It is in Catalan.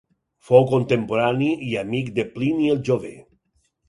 Fou contemporani i amic de Plini el jove.